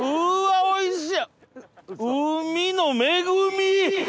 おいしい！